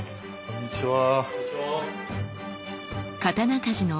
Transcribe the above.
こんにちは。